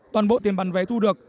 toàn bộ tiền bán vé thu được